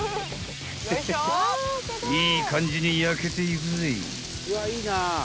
［いい感じに焼けていくぜ］